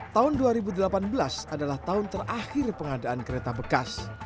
tahun dua ribu delapan belas adalah tahun terakhir pengadaan kereta bekas